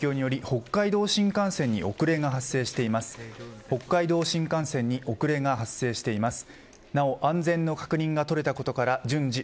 北海道新幹線に遅れが発生しています。